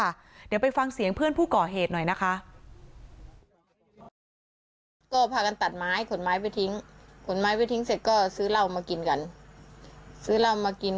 เดี๋ยวไปฟังเสียงเพื่อนผู้ก่อเหตุหน่อยนะคะ